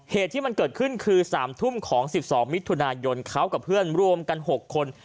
เหตุที่มันเกิดขึ้นคือ๓ทุ่มของ๑๒มิถุนายนเขากับเพื่อนรวมกัน๖คน